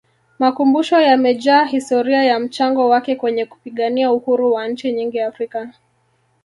makumbusho yamejaa historia ya mchango wake kwenye kupigania Uhuru wa nchi nyingi africa